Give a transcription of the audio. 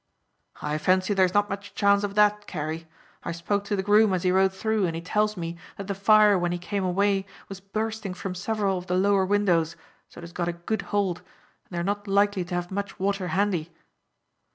"I fancy there is not much chance of that, Carey. I spoke to the groom as he rode through, and he tells me that the fire when he came away was bursting from several of the lower windows; so it has got a good hold, and they are not likely to have much water handy."